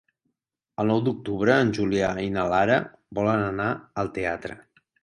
El nou d'octubre en Julià i na Lara volen anar al teatre.